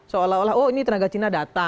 seolah olah oh ini tenaga cina datang